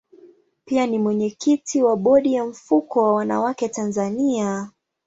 Pia ni mwenyekiti wa bodi ya mfuko wa wanawake Tanzania.